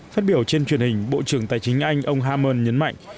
phát biểu trên truyền hình bộ trưởng tài chính anh ông hammon nhấn mạnh